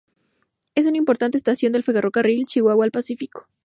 Es una importante estación del Ferrocarril Chihuahua al Pacífico.